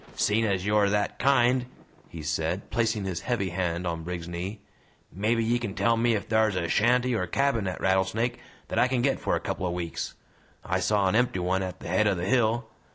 "Seein' as you're that kind," he said, placing his heavy hand on Briggs's knee, "mebbe ye kin tell me ef thar's a shanty or a cabin at Rattlesnake that I kin get for a couple o' weeks. I saw an empty one at the head o' the hill.